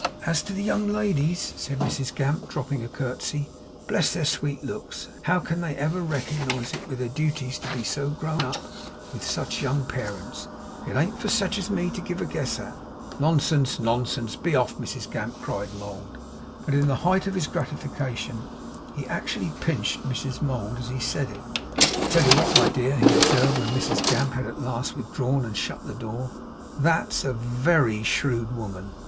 'As to the young ladies,' said Mrs Gamp, dropping a curtsey, 'bless their sweet looks how they can ever reconsize it with their duties to be so grown up with such young parents, it an't for sech as me to give a guess at.' 'Nonsense, nonsense. Be off, Mrs Gamp!' cried Mould. But in the height of his gratification he actually pinched Mrs Mould as he said it. 'I'll tell you what, my dear,' he observed, when Mrs Gamp had at last withdrawn and shut the door, 'that's a ve ry shrewd woman.